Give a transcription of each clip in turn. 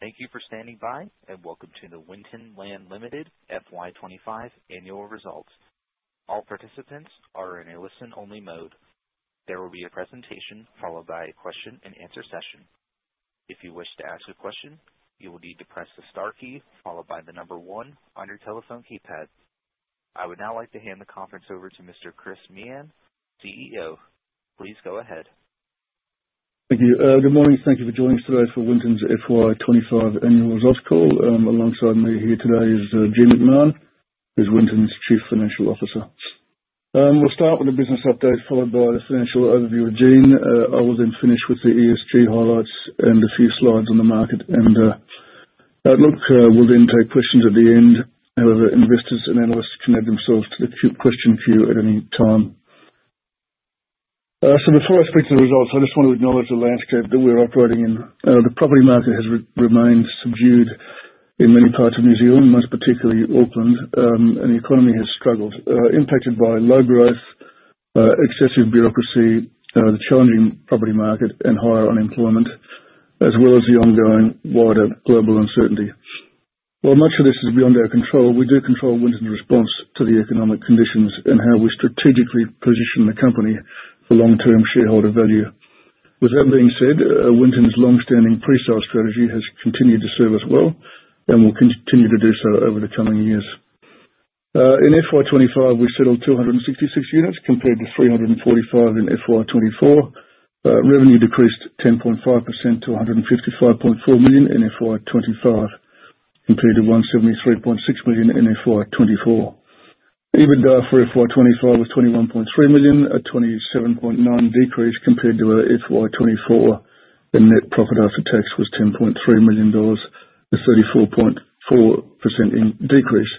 Thank you for standing by, and welcome to the Winton Land Limited FY 2025 annual results. All participants are in a listen-only mode. There will be a presentation followed by a question and answer session. If you wish to ask a question, you will need to press the star key followed by the number one on your telephone keypad. I would now like to hand the conference over to Mr. Chris Meehan, CEO. Please go ahead. Thank you. Good morning. Thank you for joining us today for Winton's FY 2025 annual results call. Alongside me here today is Jean McMahon, who's Winton's Chief Financial Officer. We'll start with a business update followed by the financial overview with Jean. I will finish with the ESG highlights and a few slides on the market and outlook. We'll take questions at the end. However, investors and analysts can add themselves to the question queue at any time. Before I speak to the results, I just want to acknowledge the landscape that we're operating in. The property market has remained subdued in many parts of New Zealand, most particularly Auckland, and the economy has struggled, impacted by low growth, excessive bureaucracy, the challenging property market, and higher unemployment, as well as the ongoing wider global uncertainty. While much of this is beyond our control, we do control Winton's response to the economic conditions and how we strategically position the company for long-term shareholder value. With that being said, Winton's longstanding pre-sale strategy has continued to serve us well and will continue to do so over the coming years. In FY 2025, we settled 266 units compared to 345 in FY 2024. Revenue decreased 10.5% to 155.4 million in FY 2025, compared to 173.6 million in FY 2024. EBITDA for FY 2025 was 21.3 million, a 27.9% decrease compared to FY 2024, and net profit after tax was 10.3 million dollars, a 34.4% decrease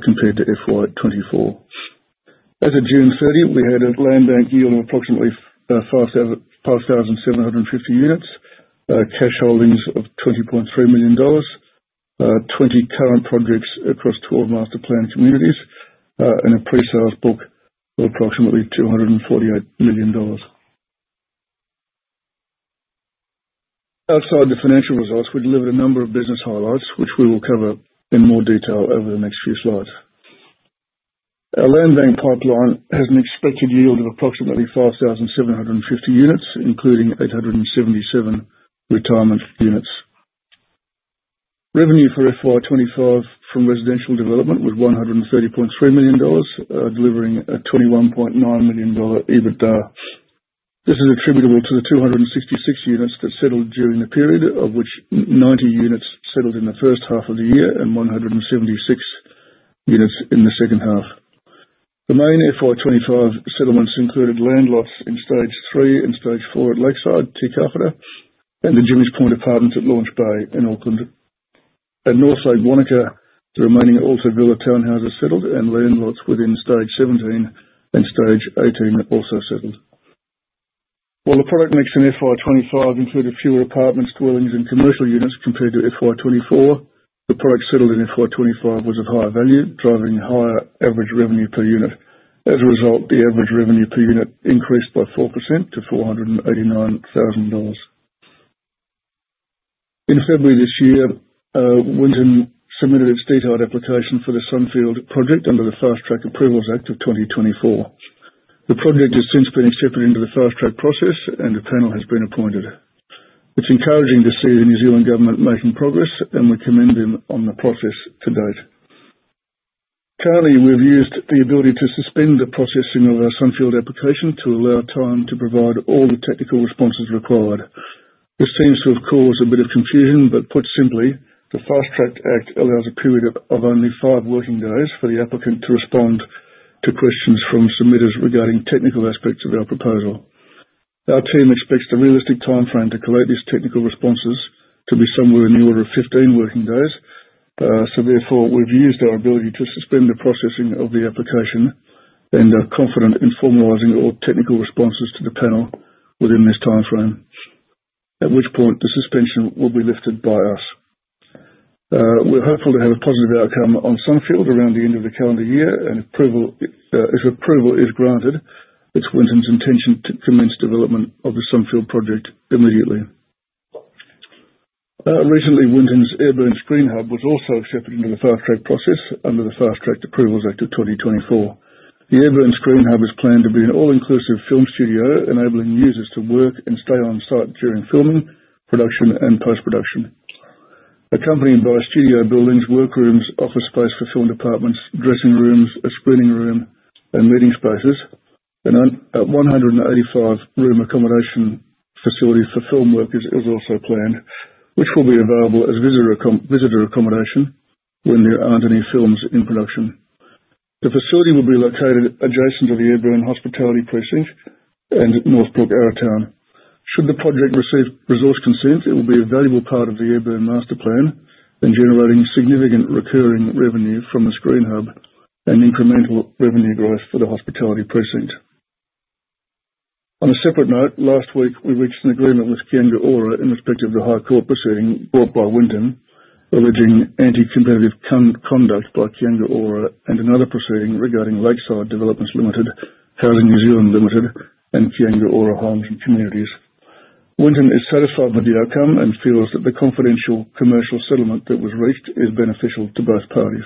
compared to FY 2024. As of June 30, we had a land bank yield of approximately 5,750 units, cash holdings of 20.3 million dollars, 20 current projects across 12 master-planned communities, and a pre-sales book of approximately NZD 248 million. Outside the financial results, we delivered a number of business highlights, which we will cover in more detail over the next few slides. Our land bank pipeline has an expected yield of approximately 5,750 units, including 877 retirement units. Revenue for FY 2025 from residential development was 130.3 million dollars, delivering a 21.9 million dollar EBITDA. This is attributable to the 266 units that settled during the period, of which 90 units settled in the first half of the year and 176 units in the second half. The main FY 2025 settlements included land lots in stage 3 and stage 4 at Lakeside, Te Kauwhata, and the Jimmy's Point apartments at Launch Bay in Auckland. At Northlake, Wanaka, the remaining Alta Villas townhouses settled, and land lots within stage 17 and stage 18 also settled. While the product mix in FY 2025 included fewer apartment dwellings and commercial units compared to FY 2024, the product settled in FY 2025 was of higher value, driving higher average revenue per unit. As a result, the average revenue per unit increased by 4% to 489,000 dollars. In February this year, Winton submitted its detailed application for the Sunfield project under the Fast-track Approvals Act 2024. The project has since been accepted into the fast-track process, and a panel has been appointed. It's encouraging to see the New Zealand Government making progress, and we commend them on the process to date. Currently, we've used the ability to suspend the processing of our Sunfield application to allow time to provide all the technical responses required. This seems to have caused a bit of confusion, but put simply, the Fast-track Act allows a period of only five working days for the applicant to respond to questions from submitters regarding technical aspects of our proposal. Our team expects the realistic timeframe to collate these technical responses to be somewhere in the order of 15 working days. Therefore, we've used our ability to suspend the processing of the application and are confident in formalizing all technical responses to the panel within this timeframe, at which point the suspension will be lifted by us. We're hopeful to have a positive outcome on Sunfield around the end of the calendar year. If approval is granted, it's Winton's intention to commence development of the Sunfield project immediately. Recently, Winton's Ayrburn Screen Hub was also accepted into the fast-track process under the Fast-track Approvals Act 2024. The Ayrburn Screen Hub is planned to be an all-inclusive film studio enabling users to work and stay on-site during filming, production, and post-production. Accompanied by studio buildings, workrooms, office space for film departments, dressing rooms, a screening room, and meeting spaces, a 185 room accommodation facility for film workers is also planned, which will be available as visitor accommodation when there aren't any films in production. The facility will be located adjacent to the Ayrburn hospitality precinct and Northbrook Arrowtown. Should the project receive resource consent, it will be a valuable part of the Ayrburn master plan in generating significant recurring revenue from the screen hub and incremental revenue growth for the hospitality precinct. On a separate note, last week we reached an agreement with Kāinga Ora in respect of the High Court proceeding brought by Winton alleging anti-competitive conduct by Kāinga Ora and another proceeding regarding Lakeside Developments Limited, Housing New Zealand Limited, and Kāinga Ora – Homes and Communities. Winton is satisfied with the outcome and feels that the confidential commercial settlement that was reached is beneficial to both parties.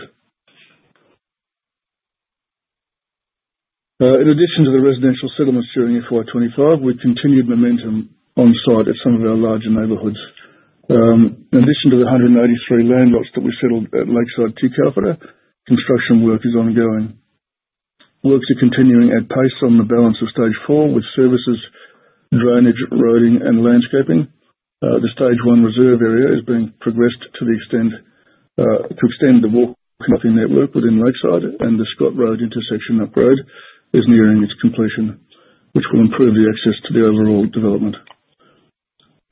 In addition to the residential settlements during FY 2025, we've continued momentum on site at some of our larger neighborhoods. In addition to the 183 land lots that we settled at Lakeside Te Kauwhata, construction work is ongoing. Works are continuing at pace on the balance of stage 4 with services, drainage, roading, and landscaping. The stage 1 reserve area is being progressed to extend the walk and cycling network within Lakeside and the Scott Road intersection upgrade is nearing its completion, which will improve the access to the overall development.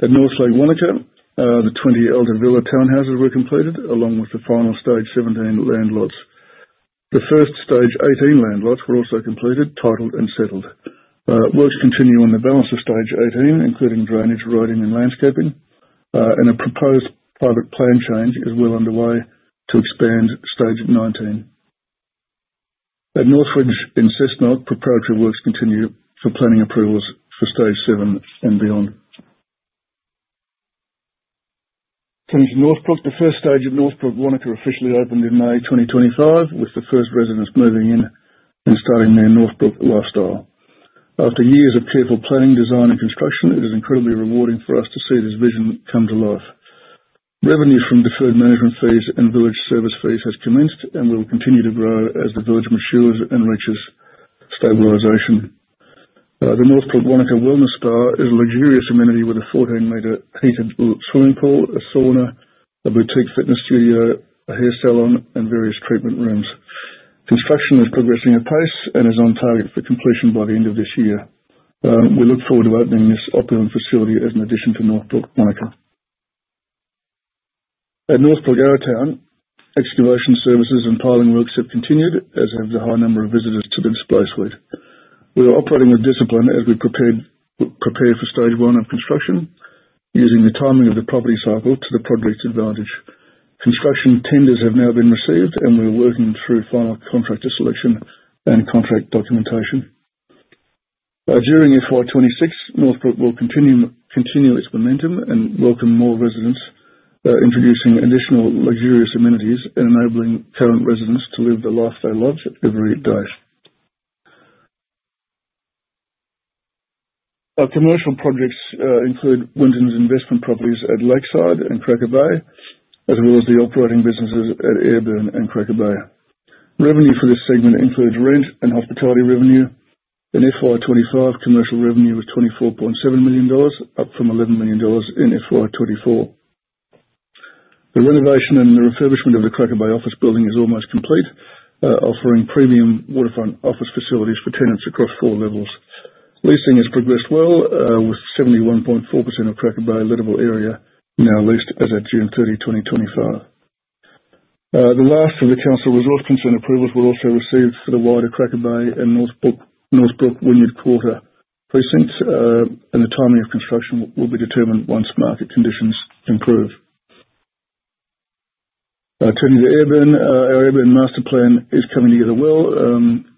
At Northlake Wānaka, the 20 Alta Villas townhouses were completed along with the final stage 17 land lots. The first stage 18 land lots were also completed, titled, and settled. Works continue on the balance of stage 18, including drainage, roading, and landscaping. A proposed private plan change is well underway to expand stage 19. At North Ridge in Cessnock, preparatory works continue for planning approvals for stage 7 and beyond. Turning to Northbrook, the first stage of Northbrook Wānaka officially opened in May 2025, with the first residents moving in and starting their Northbrook lifestyle. After years of careful planning, design, and construction, it is incredibly rewarding for us to see this vision come to life. Revenue from deferred management fees and village service fees has commenced and will continue to grow as the village matures and reaches stabilization. The Northbrook Wānaka Wellness Spa is a luxurious amenity with a 14-meter heated swimming pool, a sauna, a boutique fitness studio, a hair salon, and various treatment rooms. Construction is progressing at pace and is on target for completion by the end of this year. We look forward to opening this opulent facility as an addition to Northbrook Wanaka. At Northbrook Arrowtown, excavation services and piling works have continued, as have the high number of visitors to the display suite. We are operating with discipline as we prepare for stage 1 of construction using the timing of the property cycle to the project's advantage. Construction tenders have now been received, we're working through final contractor selection and contract documentation. During FY 2026, Northbrook will continue its momentum and welcome more residents, introducing additional luxurious amenities and enabling current residents to live the life they love every day. Our commercial projects include Winton's investment properties at Lakeside and Cracker Bay, as well as the operating businesses at Ayrburn and Cracker Bay. Revenue for this segment includes rent and hospitality revenue. In FY 2025, commercial revenue was NZD 24.7 million, up from NZD 11 million in FY 2024. The renovation and the refurbishment of the Cracker Bay office building is almost complete, offering premium waterfront office facilities for tenants across 4 levels. Leasing has progressed well, with 71.4% of Cracker Bay lettable area now leased as at June 30, 2025. The last of the council resource consent approvals were also received for the wider Cracker Bay and Northbrook Wynyard Quarter precincts. The timing of construction will be determined once market conditions improve. Turning to Ayrburn, our Ayrburn master plan is coming together well.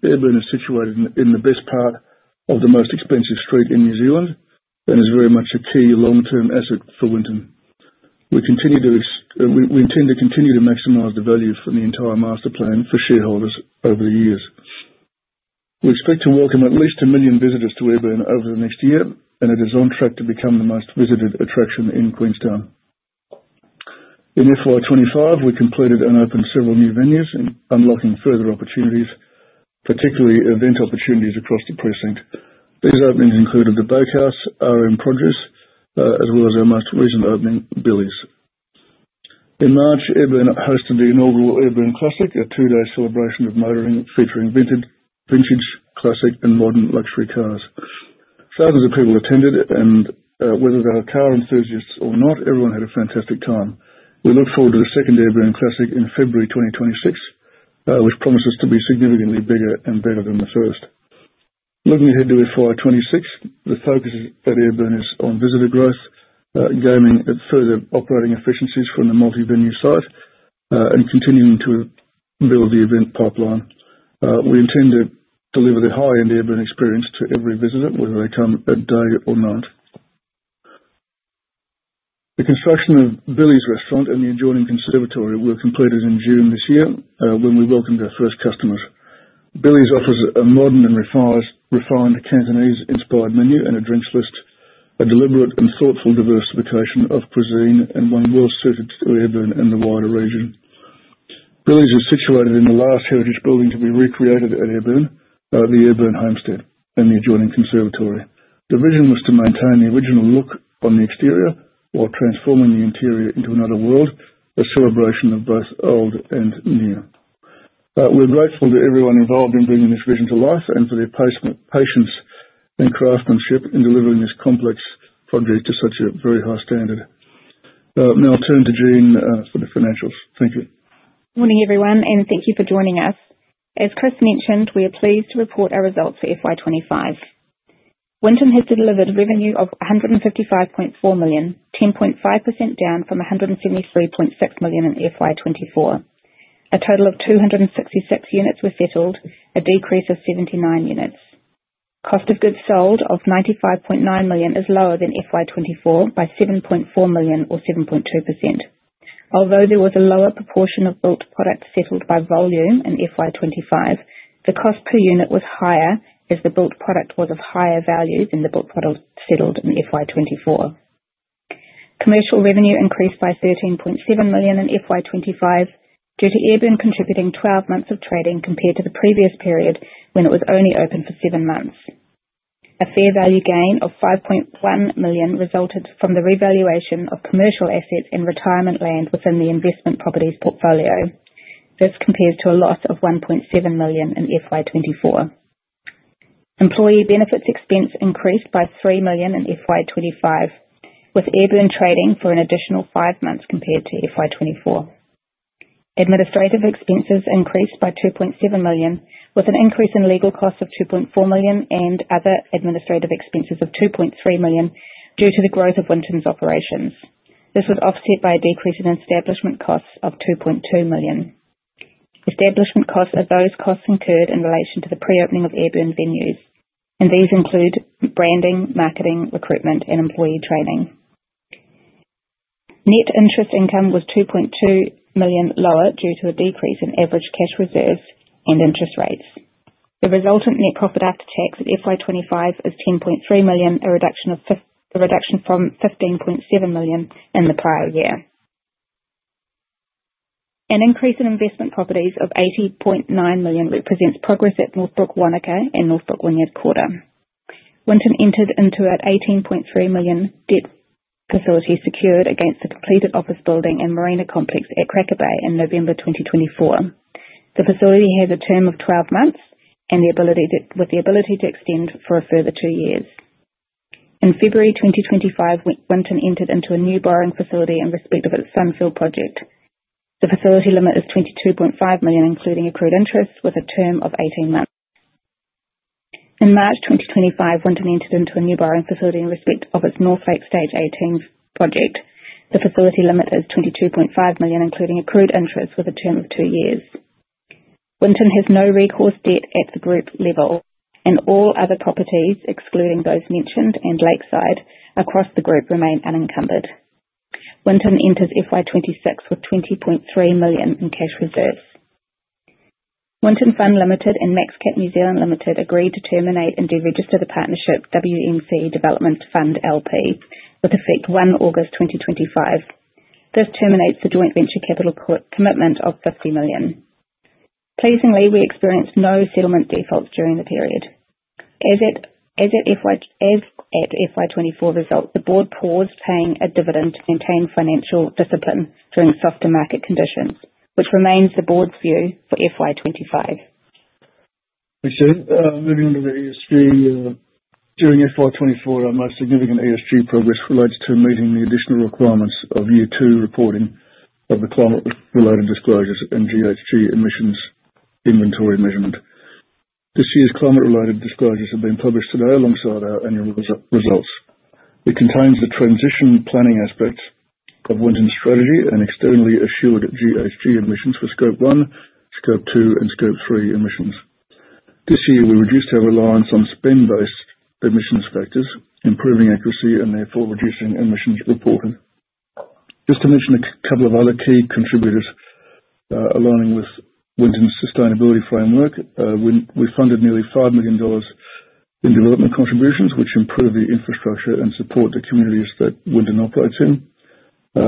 Ayrburn is situated in the best part of the most expensive street in New Zealand and is very much a key long-term asset for Winton. We intend to continue to maximize the value from the entire master plan for shareholders over the years. We expect to welcome at least 1 million visitors to Ayrburn over the next year, and it is on track to become the most visited attraction in Queenstown. In FY 2025, we completed and opened several new venues and unlocking further opportunities, particularly event opportunities across the precinct. These openings included The Bakehouse, R.M. Produce, as well as our most recent opening, Billy's. In March, Ayrburn hosted the inaugural Ayrburn Classic, a two-day celebration of motoring featuring vintage, classic, and modern luxury cars. Thousands of people attended, and whether they were car enthusiasts or not, everyone had a fantastic time. We look forward to the second Ayrburn Classic in February 2026, which promises to be significantly bigger and better than the first. Looking ahead to FY 2026, the focus at Ayrburn is on visitor growth, gaining further operating efficiencies from the multi-venue site, and continuing to build the event pipeline. We intend to deliver the high-end Ayrburn experience to every visitor, whether they come at day or night. The construction of Billy's restaurant and the adjoining conservatory were completed in June this year when we welcomed our first customers. Billy's offers a modern and refined Cantonese-inspired menu and a drinks list, a deliberate and thoughtful diversification of cuisine and one well-suited to Ayrburn and the wider region. Billy's is situated in the last heritage building to be recreated at Ayrburn, the Ayrburn Homestead, and the adjoining conservatory. The vision was to maintain the original look on the exterior while transforming the interior into another world, a celebration of both old and new. We're grateful to everyone involved in bringing this vision to life and for their patience and craftsmanship in delivering this complex project to such a very high standard. Now I'll turn to Jean for the financials. Thank you. Morning, everyone, and thank you for joining us. As Chris mentioned, we are pleased to report our results for FY 2025. Winton has delivered revenue of 155.4 million, 10.5% down from 173.6 million in FY 2024. A total of 266 units were settled, a decrease of 79 units. Cost of goods sold of 95.9 million is lower than FY 2024 by 7.4 million or 7.2%. Although there was a lower proportion of built products settled by volume in FY 2025, the cost per unit was higher as the built product was of higher value than the built product settled in FY 2024. Commercial revenue increased by 13.7 million in FY 2025 due to Ayrburn contributing 12 months of trading compared to the previous period when it was only open for seven months. A fair value gain of 5.1 million resulted from the revaluation of commercial assets and retirement land within the investment properties portfolio. This compares to a loss of 1.7 million in FY 2024. Employee benefits expense increased by 3 million in FY 2025, with Ayrburn trading for an additional five months compared to FY 2024. Administrative expenses increased by 2.7 million, with an increase in legal costs of 2.4 million and other administrative expenses of 2.3 million due to the growth of Winton's operations. This was offset by a decrease in establishment costs of 2.2 million. Establishment costs are those costs incurred in relation to the pre-opening of Ayrburn venues, these include branding, marketing, recruitment, and employee training. Net interest income was 2.2 million lower due to a decrease in average cash reserves and interest rates. The resultant net profit after tax at FY 2025 is 10.3 million, a reduction from 15.7 million in the prior year. An increase in investment properties of 80.9 million represents progress at Northbrook Wānaka and Northbrook Wynyard Quarter. Winton entered into an 18.3 million debt facility secured against the completed office building and marina complex at Cracker Bay in November 2024. The facility has a term of 12 months, with the ability to extend for a further two years. In February 2025, Winton entered into a new borrowing facility in respect of its Sunfield project. The facility limit is 22.5 million, including accrued interest, with a term of 18 months. In March 2025, Winton entered into a new borrowing facility in respect of its Northlake Stage 18 project. The facility limit is 22.5 million, including accrued interest, with a term of two years. Winton has no recourse debt at the group level, and all other properties, excluding those mentioned and Lakeside across the group, remain unencumbered. Winton enters FY 2026 with 20.3 million in cash reserves. Winton Fund Management Limited and MaxCap New Zealand Limited agreed to terminate and de-register the partnership WNC Development Fund LP with effect 1 August 2025. This terminates the joint venture capital commitment of 50 million. Pleasingly, we experienced no settlement defaults during the period. As at FY 2024 results, the board paused paying a dividend to maintain financial discipline during softer market conditions, which remains the board's view for FY 2025. Thanks, Jean. Moving on to the ESG. During FY 2024, our most significant ESG progress relates to meeting the additional requirements of year two reporting of the climate-related disclosures and GHG emissions inventory measurement. This year's climate-related disclosures have been published today alongside our annual results. It contains the transition planning aspects of Winton's strategy and externally assured GHG emissions for Scope 1, Scope 2, and Scope 3 emissions. This year, we reduced our reliance on spend-based emissions factors, improving accuracy and therefore reducing emissions reporting. Just to mention a couple of other key contributors, aligning with Winton's sustainability framework, we funded nearly 5 million dollars in development contributions, which improve the infrastructure and support the communities that Winton operates in.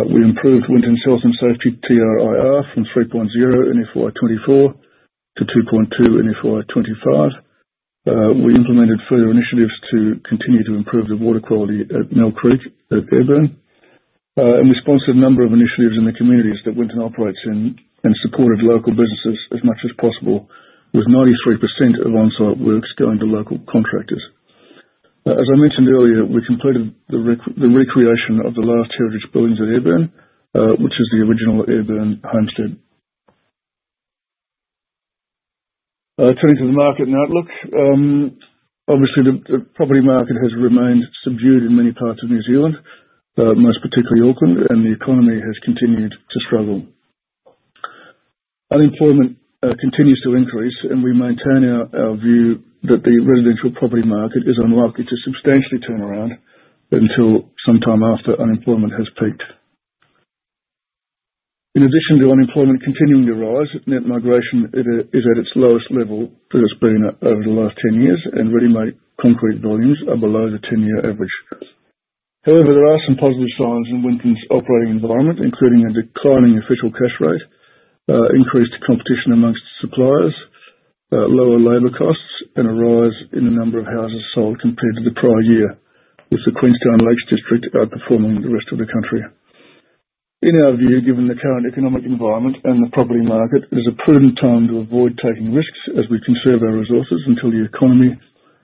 We improved Winton's health and safety TRIR from 3.0 in FY 2024 to 2.2 in FY 2025. We implemented further initiatives to continue to improve the water quality at Mill Creek at Ayrburn. We sponsored a number of initiatives in the communities that Winton operates in and supported local businesses as much as possible, with 93% of on-site works going to local contractors. As I mentioned earlier, we completed the recreation of the last heritage buildings at Ayrburn, which is the original Ayrburn Homestead. Turning to the market and outlook. Obviously, the property market has remained subdued in many parts of New Zealand, most particularly Auckland, and the economy has continued to struggle. Unemployment continues to increase, and we maintain our view that the residential property market is unlikely to substantially turn around until some time after unemployment has peaked. In addition to unemployment continuing to rise, net migration is at its lowest level that it's been at over the last 10 years, and ready-mix concrete volumes are below the 10-year average. There are some positive signs in Winton's operating environment, including a declining official cash rate, increased competition amongst suppliers, lower labor costs, and a rise in the number of houses sold compared to the prior year, with the Queenstown Lakes District outperforming the rest of the country. In our view, given the current economic environment and the property market is a prudent time to avoid taking risks as we conserve our resources until the economy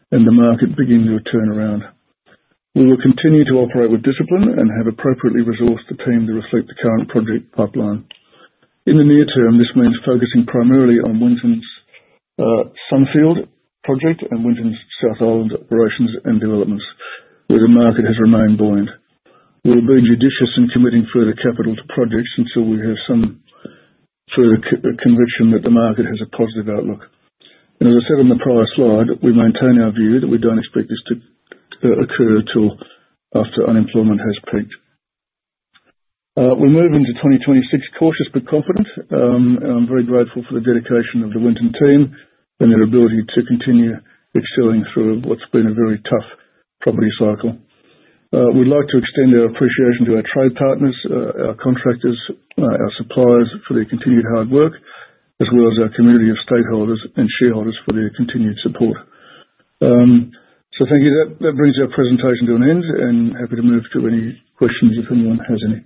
and the market begin to turn around. We will continue to operate with discipline and have appropriately resourced the team to reflect the current project pipeline. In the near term, this means focusing primarily on Winton's Sunfield project and Winton's South Island operations and developments, where the market has remained buoyant. We'll be judicious in committing further capital to projects until we have some further conviction that the market has a positive outlook. As I said in the prior slide, we maintain our view that we don't expect this to occur till after unemployment has peaked. We move into 2026 cautious but confident. I'm very grateful for the dedication of the Winton team and their ability to continue excelling through what's been a very tough property cycle. We'd like to extend our appreciation to our trade partners, our contractors, our suppliers for their continued hard work, as well as our community of stakeholders and shareholders for their continued support. Thank you. That brings our presentation to an end, and happy to move to any questions if anyone has any.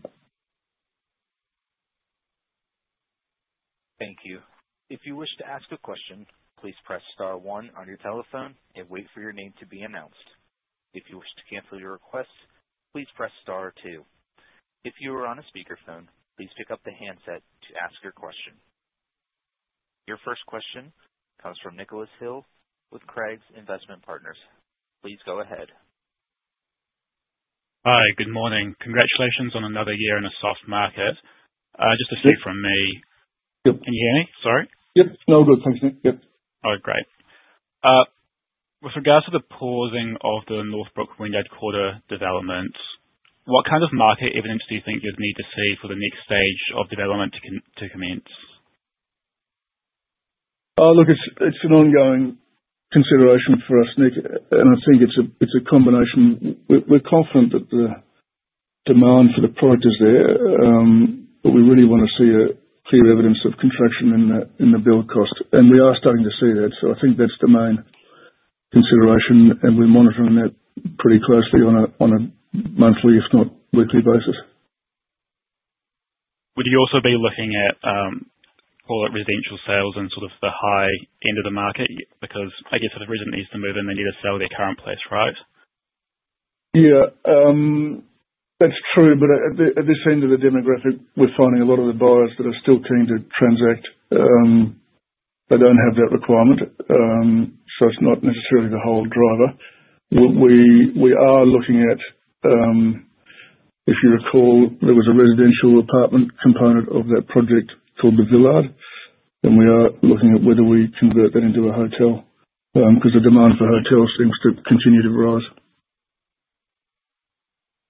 Thank you. If you wish to ask a question, please press star one on your telephone and wait for your name to be announced. If you wish to cancel your request, please press star two. If you are on a speakerphone, please pick up the handset to ask your question. Your first question comes from Nicholas Hill with Craigs Investment Partners. Please go ahead. Hi. Good morning. Congratulations on another year in a soft market. Yes. Just to see from me. Yep. Can you hear me? Sorry? Yep. No, good. Thanks. Yep. Oh, great. With regards to the pausing of the Northbrook Wynyard Quarter development, what kind of market evidence do you think you'd need to see for the next stage of development to commence? Look, it's an ongoing consideration for us, Nick. I think it's a combination. We're confident that the demand for the product is there, but we really wanna see a clear evidence of contraction in the build cost. We are starting to see that. I think that's the main consideration. We're monitoring that pretty closely on a monthly if not weekly basis. Would you also be looking at call it residential sales and sort of the high end of the market? I guess if the resident needs to move in, they need to sell their current place, right? Yeah. That's true. At this end of the demographic, we're finding a lot of the buyers that are still keen to transact. They don't have that requirement. It's not necessarily the whole driver. What we are looking at, if you recall, there was a residential apartment component of that project called The Villard, and we are looking at whether we convert that into a hotel, because the demand for hotels seems to continue to rise.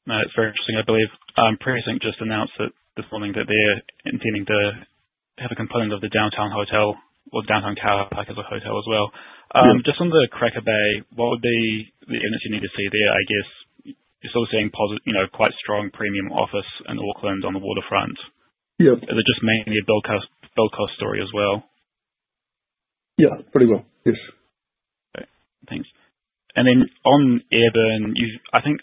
It's very interesting. I believe Precinct just announced this morning that they're intending to have a component of the downtown hotel or downtown car park as a hotel as well. Yeah. Just on the Cracker Bay, what would be the image you need to see there? I guess you're still seeing Quite strong premium office in Auckland on the waterfront. Yeah. Is it just mainly a build cost story as well? Yeah, pretty well. Yes. Okay. Thanks. Then on Ayrburn,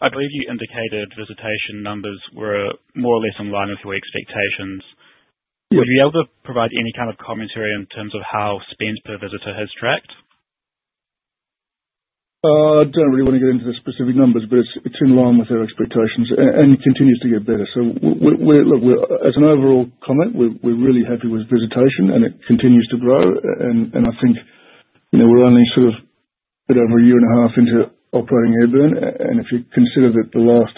I believe you indicated visitation numbers were more or less in line with your expectations. Yes. Would you be able to provide any kind of commentary in terms of how spends per visitor has tracked? I don't really wanna get into the specific numbers, but it's in line with our expectations and continues to get better. As an overall comment, we're really happy with visitation, and it continues to grow. I think, we're only sort of a bit over a year and a half into operating Ayrburn. If you consider that the last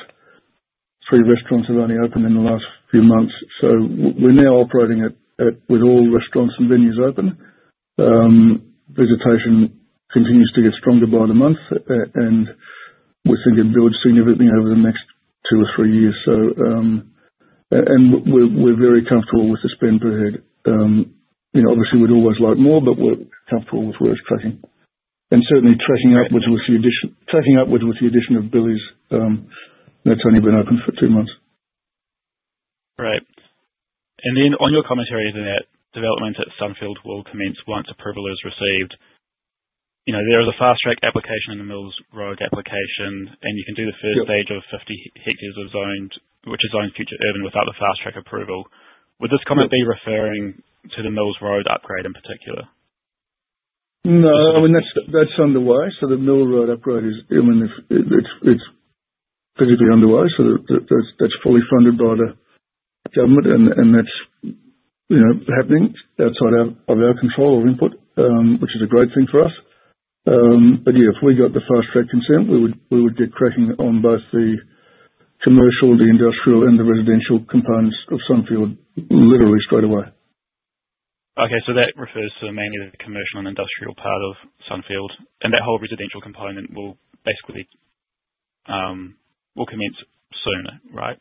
three restaurants have only opened in the last few months, so we're now operating at, with all restaurants and venues open. Visitation continues to get stronger by the month, and we think it builds significantly over the next two or three years. We're very comfortable with the spend per head. Obviously, we'd always like more, we're comfortable with where it's tracking. Certainly tracking upwards with the addition of Billy's. That's only been open for two months. Right. On your commentary, the net development at Sunfield will commence once approval is received. There is a fast-track application, a Mill Road application. Yep stage of 50 hectares of zoned, which is zoned future urban without the fast-track approval. Would this comment. Yep be referring to the Mill Road upgrade in particular? No, that's underway. The Mill Road upgrade, it's physically underway, so that's fully funded by the government and that's happening outside of our control or input, which is a great thing for us. Yeah, if we got the fast-track consent, we would get cracking on both the commercial, the industrial, and the residential components of Sunfield literally straight away. Okay. That refers to mainly the commercial and industrial part of Sunfield, and that whole residential component will basically commence sooner, right?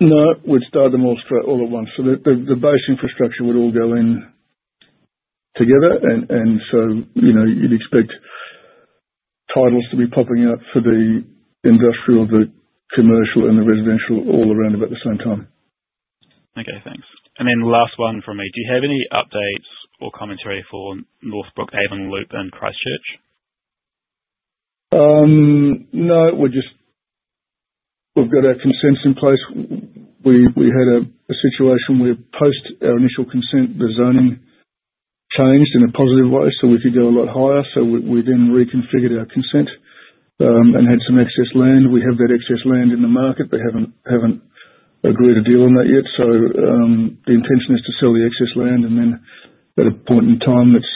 No, we'd start them all at once. The base infrastructure would all go in together and so you'd expect titles to be popping up for the industrial, the commercial, and the residential all around about the same time. Okay, thanks. Then last one from me, do you have any updates or commentary for Northbrook Avon Loop and Christchurch? No, we've got our consents in place. We had a situation where post our initial consent, the zoning changed in a positive way, so we could go a lot higher. We then reconfigured our consent, and had some excess land. We have that excess land in the market, but haven't agreed a deal on that yet. The intention is to sell the excess land and then at a point in time that's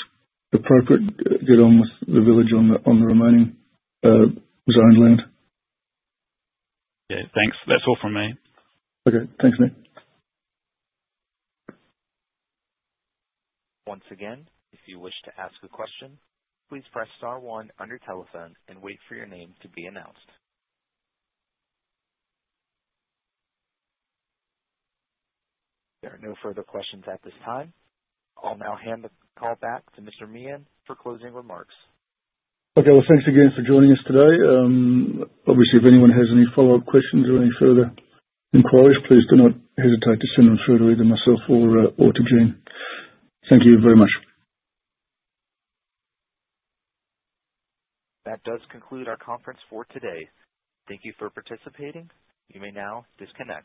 appropriate, get on with the village on the remaining, zoned land. Yeah. Thanks. That's all from me. Okay. Thanks, Nick. Once again, if you wish to ask a question, please press star one on your telephone and wait for your name to be announced. There are no further questions at this time. I'll now hand the call back to Mr. Meehan for closing remarks. Okay, well, thanks again for joining us today. Obviously, if anyone has any follow-up questions or any further inquiries, please do not hesitate to send them through to either myself or to Jean. Thank you very much. That does conclude our conference for today. Thank you for participating. You may now disconnect.